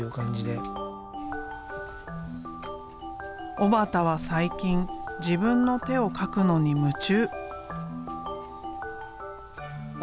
小幡は最近自分の手を描くのに夢中。